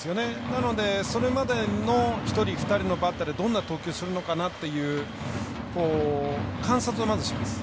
なので、それまでの１人、２人のバッターでどんな投球するのかなって観察をまずします。